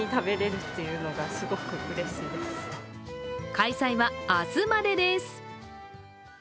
開催は明日までです。